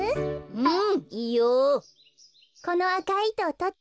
うん。